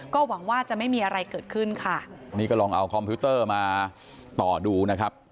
ก็หวังว่าจะไม่มีอะไรเกิดขึ้นค่ะนี่ก็ลองเอาคอมพิวเตอร์มาต่อดูนะครับ